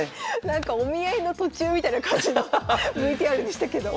なんかお見合いの途中みたいな感じのＶＴＲでしたけど。